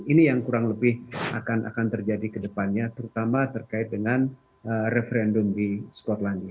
ini yang kurang lebih akan terjadi ke depannya terutama terkait dengan referendum di skotlandia